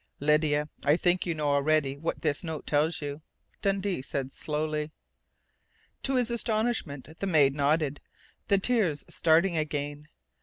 "Lydia, I think you know already what this note tells you," Dundee said slowly. To his astonishment the maid nodded, the tears starting again.